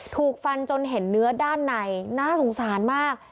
ถูกฟันจนเห็นเนื้อด้านในน่าสงสารมาก